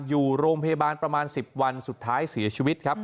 อยู่โรงพยาบาลประมาณ๑๐วันสุดท้ายเสียชีวิตครับ